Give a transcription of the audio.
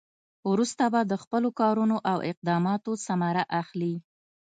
وروسته به د خپلو کارونو او اقداماتو ثمره اخلي.